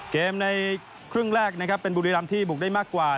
เกมในครึ่งแรกเป็นบุรีลำที่ปลุกได้มากกว่าและ